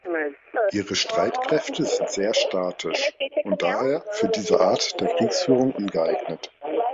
Ihre Streitkräfte sind sehr statisch und daher für diese Art der Kriegführung ungeeignet.